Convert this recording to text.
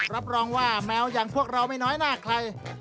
รับรองว่าแมวอย่างพวกเราไม่น้อยหน้าใคร